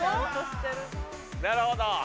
なるほど。